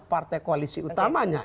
partai koalisi utamanya